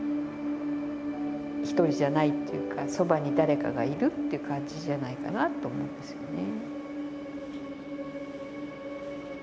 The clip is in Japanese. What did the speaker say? ひとりじゃないっていうかそばに誰かがいるって感じじゃないかなと思うんですよね。